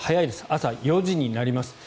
朝４時になります。